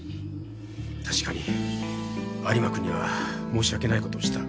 確かに有馬くんには申し訳ないことをした。